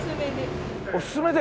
おすすめで。